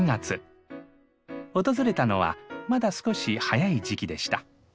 訪れたのはまだ少し早い時期でした。